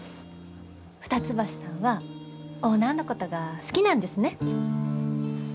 二ツ橋さんはオーナーのことが好きなんですね？